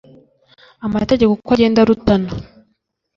amategeko uko agenda arutana